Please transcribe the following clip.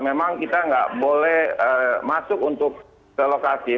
memang kita nggak boleh masuk untuk ke bandara spadio